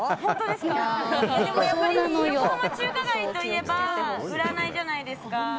でも横浜中華街といえば占いじゃないですか。